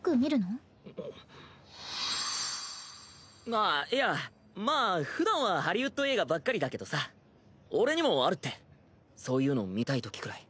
あっいやまあふだんはハリウッド映画ばっかりだけどさ俺にもあるってそういうの見たいときくらい。